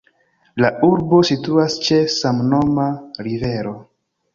La urbo situas ĉe samnoma rivero.